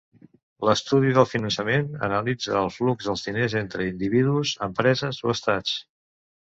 L'estudi del finançament analitza el flux dels diners entre individus, empreses o Estats.